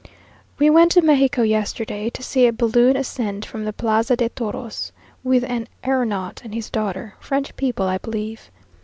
We went to Mexico yesterday to see a balloon ascend from the Plaza de Toros, with an aëronaut and his daughter; French people, I believe.